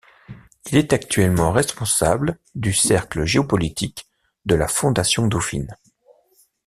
Il est actuellement responsable du Cercle géopolitique de la Fondation Dauphine.